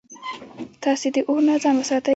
تاسي د اور نه ځان وساتئ